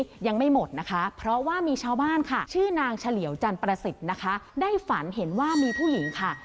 ยังไม่หมดนะคะเพราะว่ามีชาวบ้านค่ะชื่อนางเฉลี่ยวจันประสิทธิ์นะคะได้ฝันเห็นว่ามีผู้หญิงค่ะ